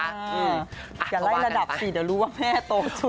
อย่าไล่ระดับสิเดี๋ยวรู้ว่าแม่โต